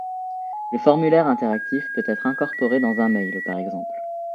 Le formulaire interactif peut être incorporé dans un mail, par exemple.